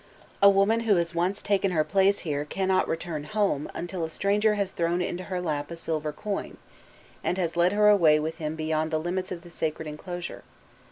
A woman who has once taken her place here cannot return home until a stranger has thrown into her lap a silver coin, and has led her away with him beyond the limits of the sacred enclosure.